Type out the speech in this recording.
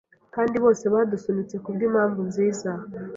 Kandi bose badusunitse kubwimpamvu nziza